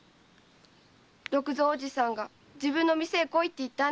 六造おじさんが自分の店へ来いって言ったんですけど。